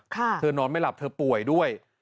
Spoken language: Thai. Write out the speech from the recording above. เธอนอนไม่หลับเธอป่วยด้วย